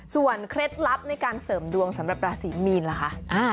เคล็ดลับในการเสริมดวงสำหรับราศีมีนล่ะคะ